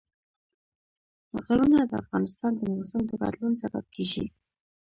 غرونه د افغانستان د موسم د بدلون سبب کېږي.